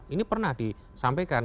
ini pernah disampaikan